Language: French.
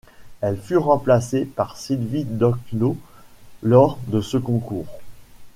Elle fut remplacée par Sylvie Doclot lors de ce concours.